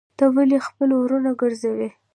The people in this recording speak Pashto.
ته ولي خپل وروڼه ګرځوې.